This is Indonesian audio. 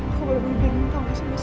aku boleh berpikir tau gak sih mas